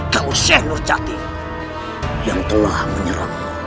kalau syekh nurjati yang telah menyerangmu